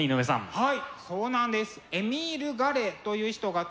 はい。